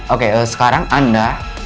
oke sekarang anda